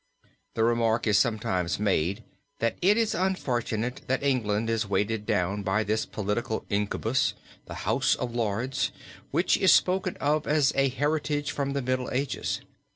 The remark is sometimes made that it is unfortunate that England is weighted down by this political incubus, the House of Lords, which is spoken of as a heritage from the Middle Ages.